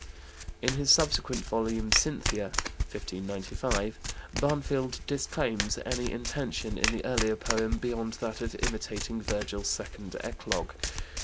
In his subsequent volume, Cynthia (1595), Barnfield disclaims any intention in the earlier poem beyond that of imitating Virgil's second eclogue.